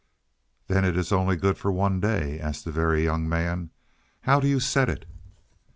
"Then it is only good for one day?" asked the Very Young Man. "How do you set it?"